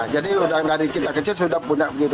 jadi dari kita kecil sudah punya begitu